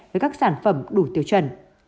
với các sản phẩm đủ tiêu chuẩn